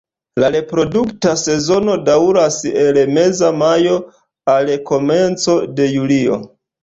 La reprodukta sezono daŭras el meza majo al komenco de julio.